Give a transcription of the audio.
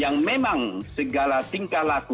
yang memang segala tingkah laku